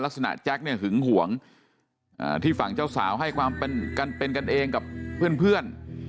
แจ็คเนี่ยหึงห่วงที่ฝั่งเจ้าสาวให้ความเป็นกันเองกับเพื่อน